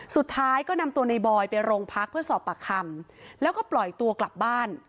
สุดท้ายก็นำตัวในบอยไปโรงพักเพื่อสอบปากคำแล้วก็ปล่อยตัวกลับบ้าน